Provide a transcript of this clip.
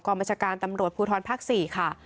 บัญชาการตำรวจภูทรภาค๔ค่ะ